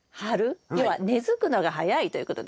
要は根づくのが早いということですね。